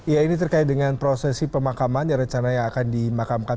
ya ini terkait dengan prosesi pemakaman yang rencana yang akan dimakamkan